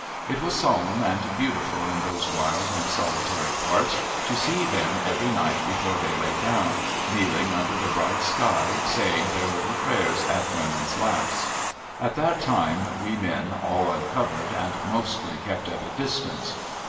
It was solemn and beautiful in those wild and solitary parts, to see them, every night before they lay down, kneeling under the bright sky, saying their little prayers at women's laps. At that time we men all uncovered, and mostly kept at a distance.